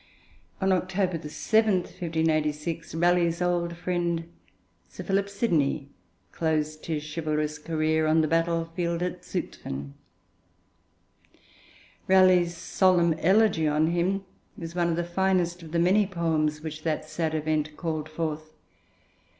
On October 7, 1586, Raleigh's old friend Sir Philip Sidney closed his chivalrous career on the battle field at Zutphen. Raleigh's solemn elegy on him is one of the finest of the many poems which that sad event called forth.